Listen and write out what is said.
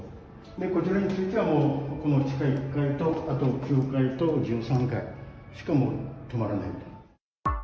こちらについてはもう、この地下１階と、あと９階と１３階しか止まらないと。